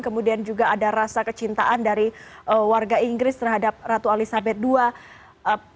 kemudian juga ada rasa kecintaan dari warga inggris terhadap ratu elizabeth ii